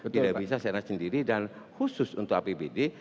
tidak bisa secara sendiri dan khusus untuk apbd